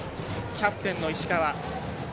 キャプテンの石川。